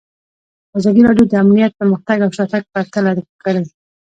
ازادي راډیو د امنیت پرمختګ او شاتګ پرتله کړی.